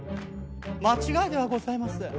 間違いではございません。